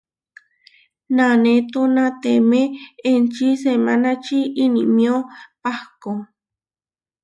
Nanétonatemé enči semánači inimió pahkó.